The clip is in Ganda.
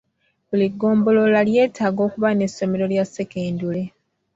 Buli ggombolola lyetaaga okuba n'essomero lya ssekendule.